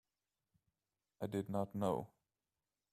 I did not know.